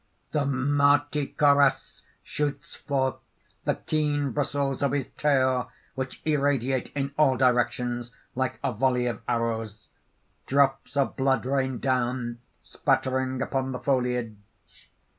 (_The Martichoras shoots forth the keen bristles of his tail, which irradiate in all directions like a volley of arrows. Drops of blood rain down, spattering upon the foliage.